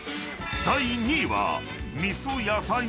［第２位は］